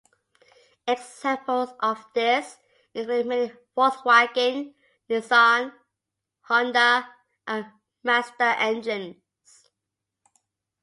Examples of this include many Volkswagen, Nissan, Honda, and Mazda engines.